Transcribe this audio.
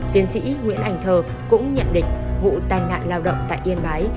tiến sĩ nguyễn anh thơ cũng nhận định vụ tai nạn lao động tại yên bái